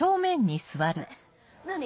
何？